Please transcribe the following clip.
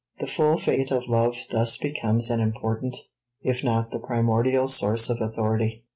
The full faith of love thus becomes an important, if not the primordial source of authority.